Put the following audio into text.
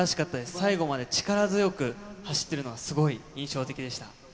最後まで力強く走ってるのがすごい印象的でした。